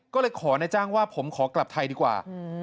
ก็เลยขอนายจ้างว่าผมขอกลับไทยดีกว่า